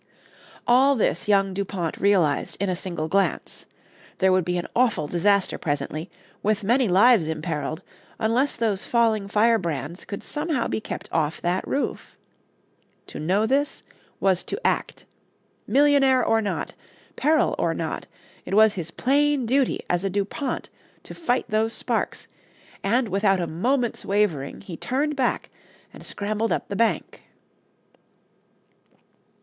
All this young Dupont realized in a single glance. There would be an awful disaster presently, with many lives imperiled, unless those falling firebrands could somehow be kept off that roof. To know this was to act. Millionaire or not, peril or not, it was his plain duty as a Dupont to fight those sparks, and, without a moment's wavering, he turned back and scrambled up the bank. [Illustration: YOUNG DUPONT WORKING TO SAVE THE POWDER MILL.